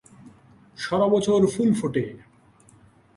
সারা বছর ফুল ফোটে।